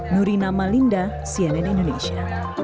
nurina malinda cnn indonesia